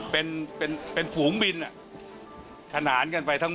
เป็นเป็นเป็นผูงบินขนานก็เลย